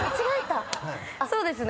そうですね。